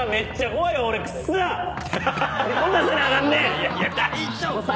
いやいや大丈夫。